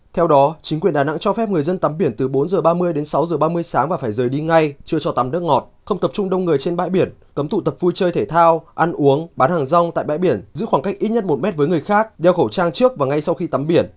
theo đó chính quyền đà nẵng cho phép người dân tắm biển từ bốn h ba mươi đến sáu h ba mươi sáng và phải rời đi ngay chưa cho tắm nước ngọt không tập trung đông người trên bãi biển cấm tụ tập vui chơi thể thao ăn uống bán hàng rong tại bãi biển giữ khoảng cách ít nhất một mét với người khác đeo khẩu trang trước và ngay sau khi tắm biển